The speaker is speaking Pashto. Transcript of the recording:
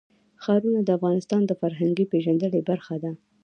ښارونه د افغانانو د فرهنګي پیژندنې برخه ده.